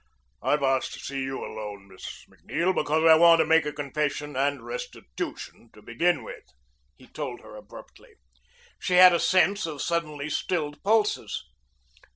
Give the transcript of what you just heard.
"I've asked to see you alone, Miss O'Neill, because I want to make a confession and restitution to begin with," he told her abruptly. She had a sense of suddenly stilled pulses.